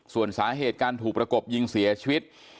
ส่วนสาเหตุการถูกประกบยิงเสียชีวิต